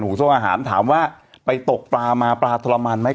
ส่งอาหารถามว่าไปตกปลามาปลาทรมานไหม